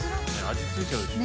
味付いちゃうでしょ。